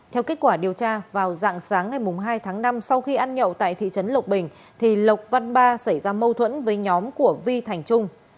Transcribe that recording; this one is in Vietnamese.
theo kết quả điều tra vào dạng sáng ngày hai tháng năm sau khi ăn nhậu tại thị trấn lộc bình thì lộc văn ba xảy ra mâu thuẫn với nhóm của vi thành trung